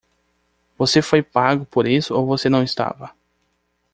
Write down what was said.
Você foi pago por isso ou você não estava?